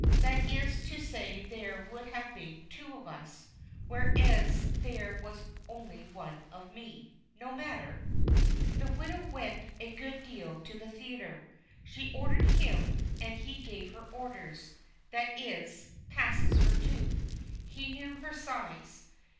That is to say there would have been two of us, whereas there was only one of me no matter. The widow went a good deal to the theatre. She ordered him, and he gave her orders that is, "passes for two." He knew her size.